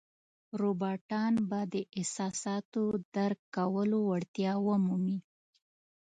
روباټان به د احساساتو درک کولو وړتیا ومومي.